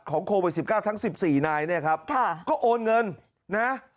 โควิด๑๙ทั้ง๑๔นายเนี่ยครับก็โอนเงินนะ